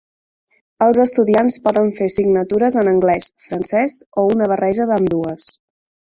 Els estudiants poden fer assignatures en anglès, francès o una barreja d'ambdues.